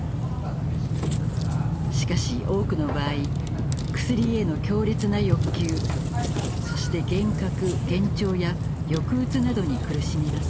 しかし多くの場合クスリへの強烈な欲求そして幻覚幻聴や抑うつなどに苦しみます。